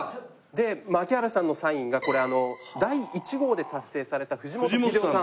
で槙原さんのサインがこれ第１号で達成された藤本英雄さん。